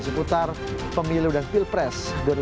seputar pemilu dan pilpres dua ribu sembilan belas